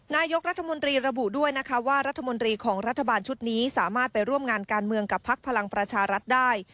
นายกรัฐมนตรีระบุด้วยนะคะว่ารัฐมนตรีของรัฐบาลชุดนี้สามารถไปร่วมงานการเมืองกับพักพลังประชารัฐได้